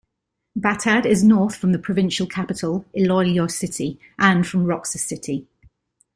Batad is north from the provincial capital, Iloilo City, and from Roxas City.